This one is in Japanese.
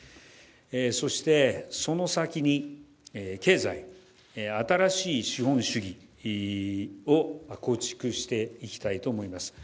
そして、その先に経済、新しい資本主義を構築していきたいと思います。